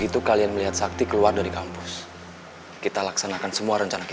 iya mbak iya mbak sabar mbak